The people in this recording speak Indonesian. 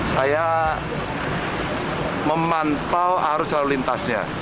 saya memantau arus lalu lintasnya